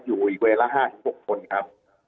อยู่วีอวีเวลละ๕๖คนครับ